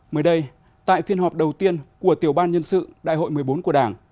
mới đây tại phiên họp đầu tiên của tiểu học